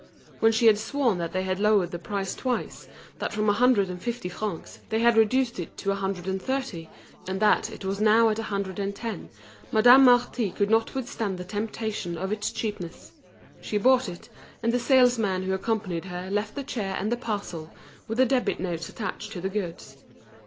When she had sworn that they had lowered the price twice, that from a hundred and fifty francs, they had reduced it to a hundred and thirty, and that it was now at a hundred and ten, Madame Marty could not withstand the temptation of its cheapness. She bought it, and the salesman who accompanied her left the chair and the parcel, with the debit notes attached to the goods.